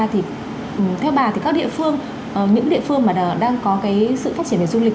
theo bà thì các địa phương những địa phương mà đang có cái sự phát triển về du lịch